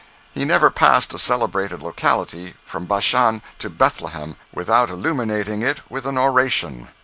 He never passed a celebrated locality, from Bashan to Bethlehem, without illuminating it with an oration.